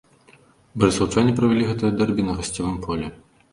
Барысаўчане правялі гэтае дэрбі на гасцявым полі.